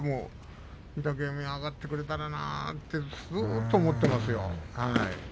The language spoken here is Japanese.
御嶽海が上がってくれたらなとずっと思っていますよ。